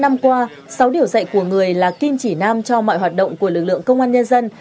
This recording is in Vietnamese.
bảy mươi năm năm qua sáu điều dạy của người là kim chỉ nam cho mọi hoạt động của lực lượng công an nhân dân